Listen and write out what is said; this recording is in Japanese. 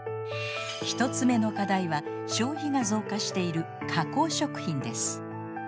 １つ目の課題は消費が増加している加工食品です。